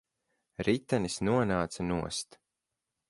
Ritenis nonāca nost.